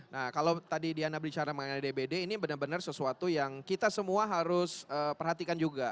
nah kalau tadi diana bicara mengenai dbd ini benar benar sesuatu yang kita semua harus perhatikan juga